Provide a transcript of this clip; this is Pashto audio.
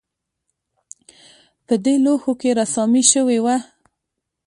په دې لوښو کې رسامي شوې وه